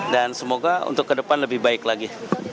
dan semoga untuk ke depan lebih baik lagi